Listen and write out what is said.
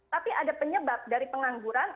tapi ada penyebab dari pengangguran